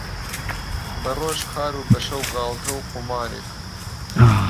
بەڕۆژ کار و بەشەو گاڵتە و قومارێک